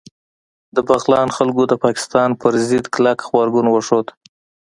د بغلان خلکو د پاکستان پر ضد کلک غبرګون وښود